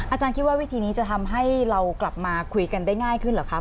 อาจารย์คิดว่าวิธีนี้จะทำให้เรากลับมาคุยกันได้ง่ายขึ้นเหรอคะ